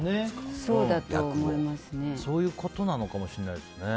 そういうことなのかもしれないですね。